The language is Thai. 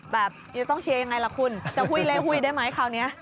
จะต้องเชียร์ยังไงล่ะคุณจะหุ้ยเล่หุ้ยได้ไหมคราวนี้